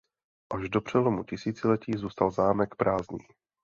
Až do přelomu tisíciletí zůstal zámek prázdný.